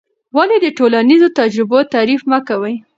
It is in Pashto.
ولې د ټولنیزو تجربو تحریف مه کوې؟